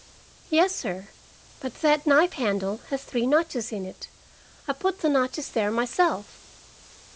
"Yes, sir. But that knife handle has three notches in it. I put the notches there myself."